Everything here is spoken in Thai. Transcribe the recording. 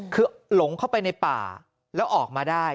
คือหลงเข้าไปในป่าแล้วออกมาได้